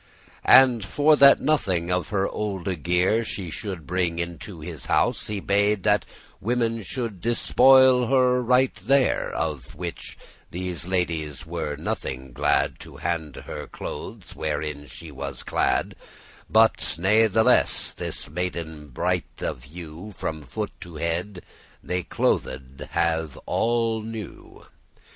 And, for that nothing of her olde gear She shoulde bring into his house, he bade That women should despoile* her right there; *strip Of which these ladies were nothing glad To handle her clothes wherein she was clad: But natheless this maiden bright of hue From foot to head they clothed have all new.